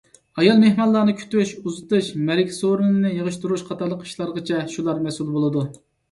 ئايال مېھمانلارنى كۈتۈش، ئۇزىتىش، مەرىكە سورۇنىنى يىغىشتۇرۇش قاتارلىق ئىشلارغىچە شۇلار مەسئۇل بولىدۇ.